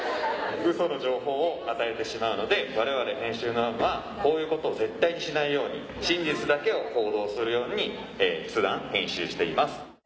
嘘の情報を与えてしまうのでわれわれ編集側はこういうことを絶対にしないように真実だけを報道するように普段編集しています。